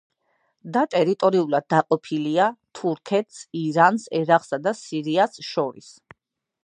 და ტერიტორიულად დაყოფილია თურქეთს, ირანს, ერაყსა და სირიას შორის.